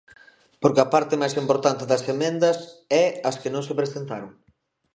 Porque a parte máis importante das emendas é as que non se presentaron.